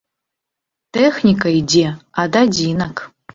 Тэхніка ідзе ад адзінак.